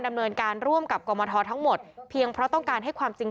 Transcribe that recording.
ดำเนินการร่วมกับกรมททั้งหมดเพียงเพราะต้องการให้ความจริง